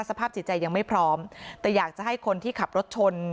สภาพจิตใจยังไม่พร้อมแต่อยากจะให้คนที่ขับรถชน